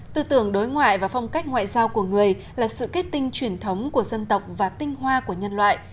tư tưởng đối ngoại và phong cách ngoại giao của người là sự kết tinh truyền thống của dân tộc và tinh hoa của nhân loại